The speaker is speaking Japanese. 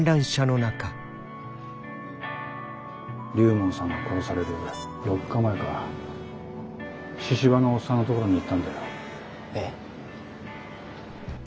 龍門さんが殺される４日前か神々のおっさんのところに行ったんだよ。え？